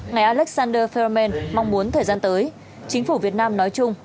ngài alexander ferramen mong muốn thời gian tới chính phủ việt nam nói chung